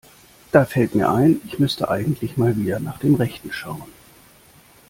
Da fällt mir ein, ich müsste eigentlich mal wieder nach dem Rechten schauen.